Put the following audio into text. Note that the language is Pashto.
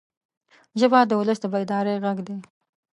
ژبه د ولس د بیدارۍ غږ ده